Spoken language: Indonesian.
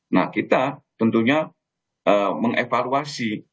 nah kita tentunya mengevaluasi